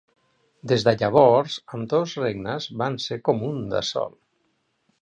Des de llavors ambdós regnes van ser com un de sol.